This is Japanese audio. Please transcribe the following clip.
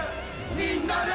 みんなで！